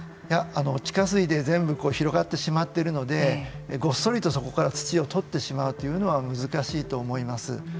地下水で全部広がってしまっているのでごっそりとそこから土を取ってしまうというのは難しいと思います。